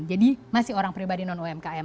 masih orang pribadi non umkm